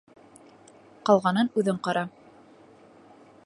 Ҡалғанын үҙең ҡара.